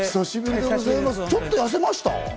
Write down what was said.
ちょっとやせました？